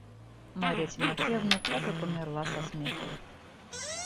Марья Тимофеевна так и померла со смеху.